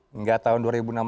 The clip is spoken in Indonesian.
hingga tahun dua ribu enam belas